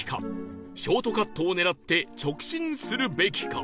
ショートカットを狙って直進するべきか？